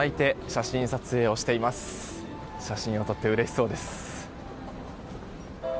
写真を撮ってうれしそうです。